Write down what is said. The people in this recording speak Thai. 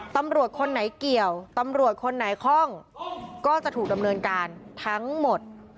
ตำรวจคนไหนเกี่ยวตำรวจคนไหนคล่องก็จะถูกดำเนินการทั้งหมด